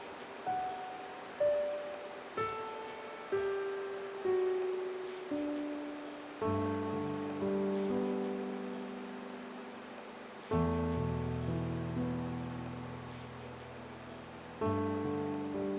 ทุกวันในแม่อยู่เพื่อลูกทำเพื่อลูก